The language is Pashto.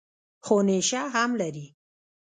خو نېشه هم لري.